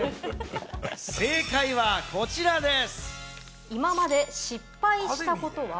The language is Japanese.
正解はこちらです。